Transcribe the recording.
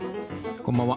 こんばんは。